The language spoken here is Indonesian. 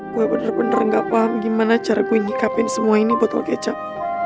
gue bener bener gak paham gimana cara gue nyikapin semua ini buat lo kecap